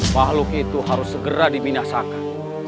makhluk itu harus segera dibinasakan